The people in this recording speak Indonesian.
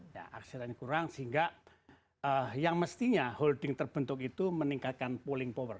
ya aksesnya kurang sehingga yang mestinya holding terbentuk itu meningkatkan pooling power